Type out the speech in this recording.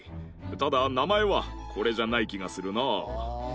ただ名前はこれじゃない気がするな。